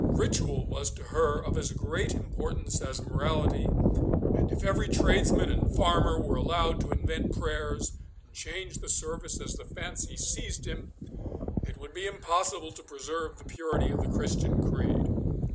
Ritual was to her of as great importance as morality, and if every tradesman and farmer were allowed to invent prayers, and change the service as the fancy seized him, it would be impossible to preserve the purity of the Christian creed.